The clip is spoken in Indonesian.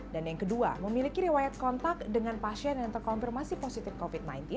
dan yang kedua memiliki riwayat kontak dengan pasien yang terkonfirmasi positif covid sembilan belas